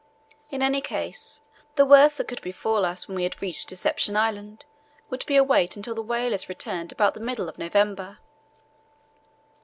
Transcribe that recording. In any case, the worst that could befall us when we had reached Deception Island would be a wait until the whalers returned about the middle of November.